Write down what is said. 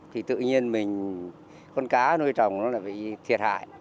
thì tự nhiên mình con cá nuôi trồng nó bị thiệt hại